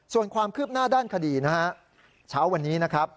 ส่วนความคืบหน้าด้านคดีนะฮะเช้าวันนี้นะครับ